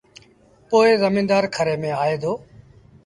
پو زميݩدآر کري ميݩ آئي دو